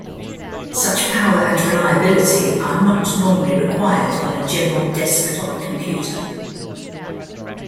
Such power and reliability are not normally required on a general desktop computer.